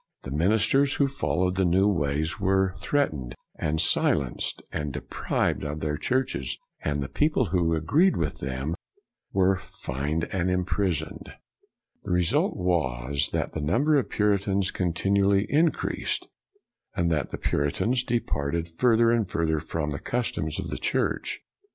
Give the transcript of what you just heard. The min isters who followed the new ways were threatened, and silenced and deprived of their churches, and the people who agreed with them were fined and imprisoned. 198 BREWSTER The result was that the number of Puritans continually increased, and that the Puri tans departed further and further from the customs of the Church.